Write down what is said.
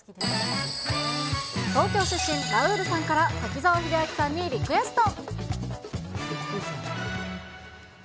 東京出身ラウールさんから、滝沢秀明さんにリクエスト。